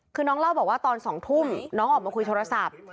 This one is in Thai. คือน้องเล่าบอกว่าตอน๒ทุ่มน้องออกมาคุยโทรศัพท์